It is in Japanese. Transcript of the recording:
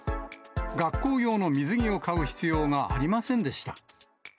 学校用の水着を買う必要がありませんでした。